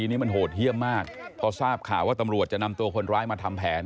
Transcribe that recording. นี่มันโหดเยี่ยมมากพอทราบข่าวว่าตำรวจจะนำตัวคนร้ายมาทำแผน